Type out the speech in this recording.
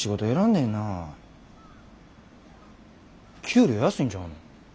給料安いんちゃうの？